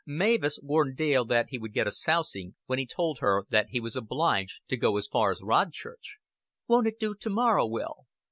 Mavis warned Dale that he would get a sousing, when he told her that he was obliged to go as far as Rodchurch. "Won't it do to morrow, Will?"